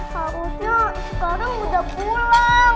harusnya sekarang udah pulang